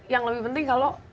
yang lebih penting kalau